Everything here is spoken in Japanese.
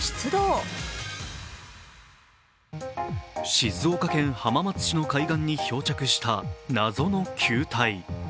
静岡県浜松市の海岸に漂着した謎の球体。